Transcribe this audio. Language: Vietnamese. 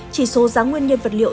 chỉ số giá nguyên nhân vật liệu